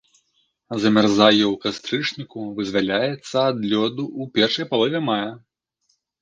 Замярзае ў кастрычніку, вызваляецца ад лёду ў першай палове мая.